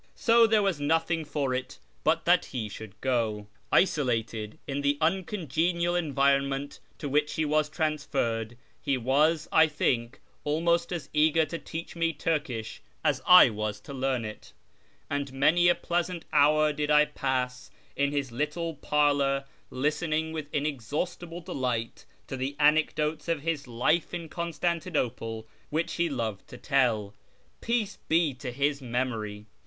So there was nothing for it but that he should go. Isolated in the uncongenial environment to which he was transferred, he was, I think, almost as eager to teach me Turkish as I was to learn it, and many a pleasant hour did I pass in his little parlour listening with inexhaustible delight to the anecdotes of his life in Constantinople which he loved to tell. Peace be to his memory